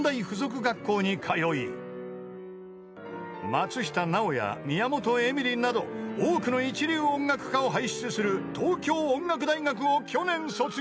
学校に通い松下奈緒や宮本笑里など多くの一流音楽家を輩出する東京音楽大学を去年卒業］